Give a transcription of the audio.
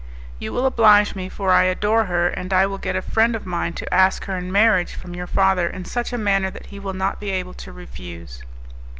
"You will oblige me, for I adore her, and I will get a friend of mine to ask her in marriage from your father in such a manner that he will not be able to refuse."